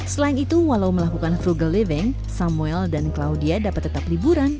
selain itu walau melakukan frugal living samuel dan claudia dapat tetap liburan